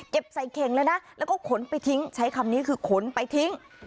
ใส่เข่งเลยนะแล้วก็ขนไปทิ้งใช้คำนี้คือขนไปทิ้ง